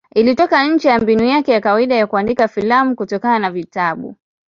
Ilitoka nje ya mbinu yake ya kawaida ya kuandika filamu kutokana na vitabu.